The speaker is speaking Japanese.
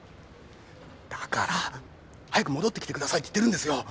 だから早く戻って来てくださいって言ってるんですよ。